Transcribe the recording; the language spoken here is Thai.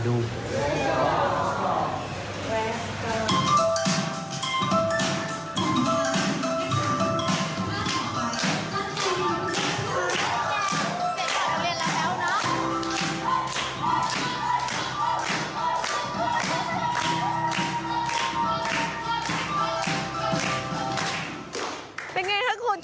โอเคต่อไปคือเวลาแรมวิทย์